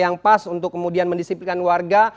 kita yang pas untuk kemudian mendisiplikan warga